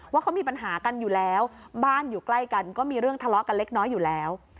ว่าเขามีปัญหากันอยู่แล้วบ้านอยู่ใกล้กันก็มีเรื่องทะเลาะกันเล็กน้อยอยู่แล้ว